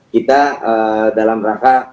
kita dalam rangka